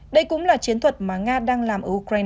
đây cũng là chiến thuật mà nga đang làm ở ukraine